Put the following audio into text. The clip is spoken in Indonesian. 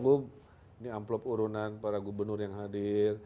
bu ini amplop urunan para gubernur yang hadir